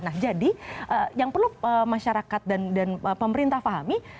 nah jadi yang perlu masyarakat dan pemerintah pahami